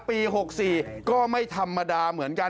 ปี๖๔ก็ไม่ธรรมดาเหมือนกัน